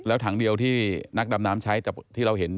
แล้วถังเดียวที่นักดำน้ำใช้ที่เราเห็น